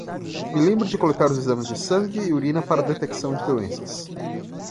Me lembre de coletar os exames de sangue e urina para detecção de doenças